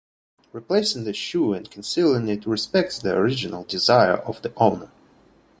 Replacing the shoe and concealing it respects the original desire of the owner.